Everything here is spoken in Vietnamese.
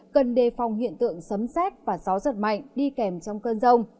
cần đề phòng hiện tượng sấm xét và gió giật mạnh đi kèm trong cơn rông